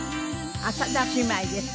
浅田姉妹です。